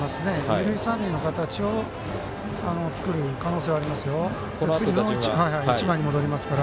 二塁三塁の形を作る可能性はありますよ。